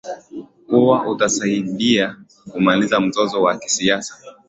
kuwa utasaidia kumaliza mzozo wa kisiasa